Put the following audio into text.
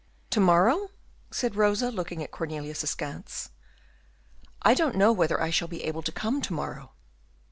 "To morrow?" said Rosa, looking at Cornelius askance. "I don't know whether I shall be able to come to morrow."